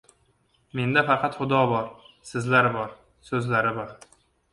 Menda faqat Xudo bor, Sizlar bor, so‘zlar bor…